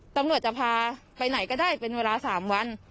ตำรวจจะพาไปไหนก็ได้เป็นเวลา๓วัน